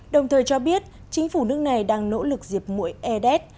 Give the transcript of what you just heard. đồng thời cho biết chính phủ nước này đang nỗ lực dịp mũi aedes